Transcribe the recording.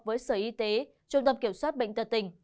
với sở y tế trung tâm kiểm soát bệnh tật tỉnh